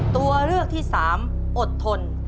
ตัวเลือกที่๓อดทน